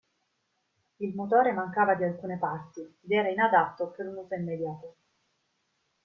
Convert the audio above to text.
Il motore mancava di alcune parti ed era inadatto per un uso immediato.